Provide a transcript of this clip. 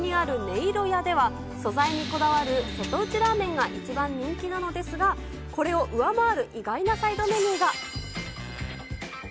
いろ屋では、素材にこだわる瀬戸内ラーメンが一番人気なのですが、これを上回る意外なサイドメニューが。